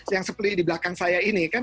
yang seperti di belakang saya ini kan